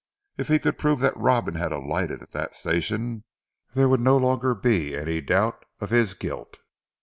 If he could prove that Robin had alighted at that station, there would no longer be any doubt of his guilt.